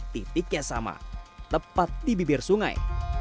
titiknya sama tepat di bibir sungai